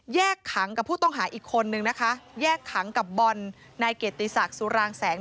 ขังกับผู้ต้องหาอีกคนนึงนะคะแยกขังกับบอลนายเกียรติศักดิ์สุรางแสง